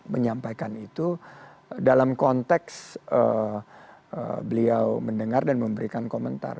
menyampaikan itu dalam konteks beliau mendengar dan memberikan komentar